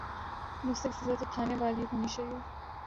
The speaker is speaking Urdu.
مستحق سزا تو تھانے والی ہونی چاہیے۔